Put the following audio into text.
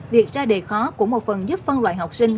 việc ra đề khó cũng một phần giúp phân loại học sinh